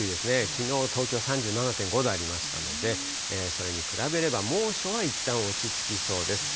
きのう、東京３７．５度ありましたので、それに比べれば猛暑はいったん落ち着きそうです。